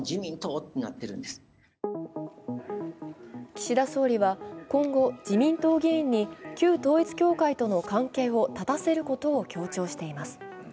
岸田総理は今後、自民党議員に旧統一教会との関係を断たせることを強調しています。